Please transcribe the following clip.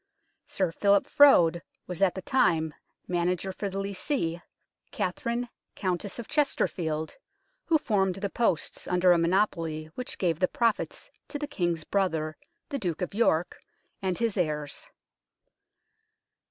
Sir Philip Frowde was at the time manager for the lessee, Katharine Countess of Chesterfield, who formed the posts under a monopoly which gave the profits to the King's brother, the Duke of York, and his heirs.